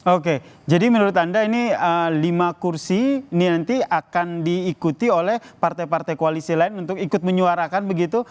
oke jadi menurut anda ini lima kursi ini nanti akan diikuti oleh partai partai koalisi lain untuk ikut menyuarakan begitu